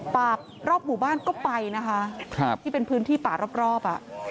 ป่ารอบหมู่บ้านก็ไปนะคะที่เป็นพื้นที่ป่ารอบ